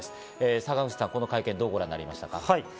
坂口さん、この会見どうご覧になりましたか？